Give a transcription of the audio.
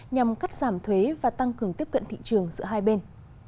nhằm cắt giảm thuế và tăng cường tiếp cận thị trường giữa hai bên